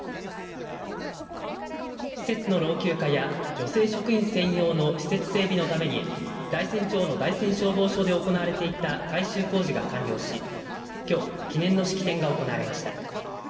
施設の老朽化や女性職員専用の施設整備のために大山町の大山消防署で行われていた改修工事が完了しきょう記念の式典が行われました。